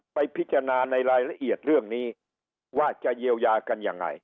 ไปพิจารณาในรายละเอียดเรื่องนี้ว่าจะเยียวยากันยังไง